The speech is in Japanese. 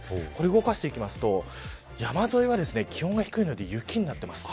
動かしていきますと山沿いは気温が低いので雪になっています。